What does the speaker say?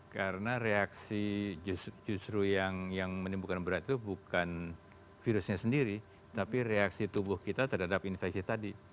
karena reaksi justru yang menimbulkan berat itu bukan virusnya sendiri tapi reaksi tubuh kita terhadap infeksi tadi